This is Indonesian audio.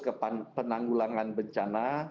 ke penanggulangan bencana